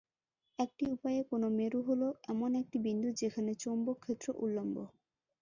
একটি উপায়ে কোন মেরু হল এমন একটি বিন্দু যেখানে চৌম্বক ক্ষেত্র উলম্ব।